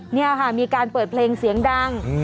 นี่ค่ะมีการเปิดเพลงเสียงดัง